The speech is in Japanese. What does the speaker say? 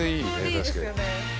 確かに。